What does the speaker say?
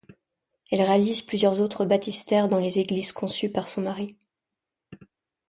Elle réalise plusieurs autres baptistères dans les églises conçues par son mari.